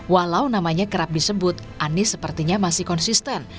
walau namanya kerap disebut anies sepertinya masih konsisten